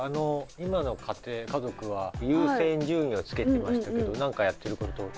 今の家庭家族は優先順位をつけてましたけど何かやってることとか？